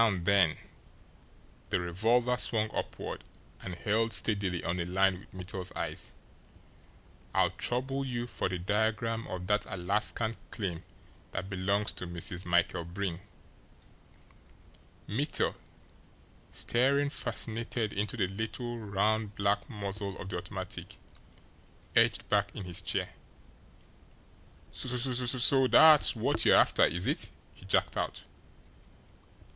Now then" the revolver swung upward and held steadily on a line with Mittel's eyes "I'll trouble you for the diagram of that Alaskan claim that belongs to Mrs. Michael Breen!" Mittel, staring fascinated into the little, round, black muzzle of the automatic, edged back in his chair. "So so that's what you're after, is it?" he jerked out.